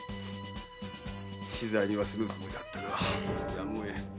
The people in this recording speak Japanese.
死罪にはせぬつもりだったがやむを得ん。